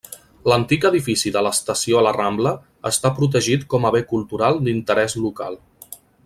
L'antic edifici de l'estació a la Rambla està protegit com a bé cultural d'interès local.